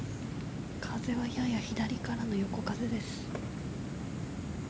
風はやや左からの横風です。